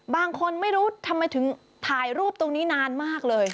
บางคนไม่รู้ทำไมถึงถ่ายรูปตรงนี้นานมากเลย